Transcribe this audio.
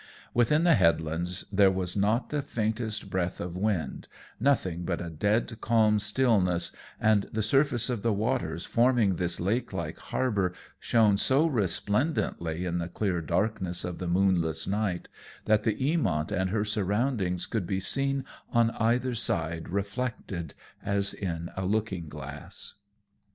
Within the headlands there was not the faintest breath of wind, nothing but a dead calm stillness, and the surface of the waters forming this lake like har bour shone so resplendently in the clear darkness of the moonless night that the Eamont and her surroundings could be seen on either side reflected as in a looking glass.